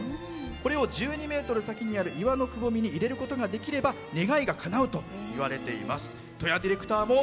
これを１２ｍ先にある岩のくぼみに入れることができれば願いがかなうといわれています。